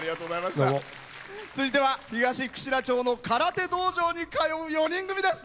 続いては東串良町の空手道場に通う４人組です。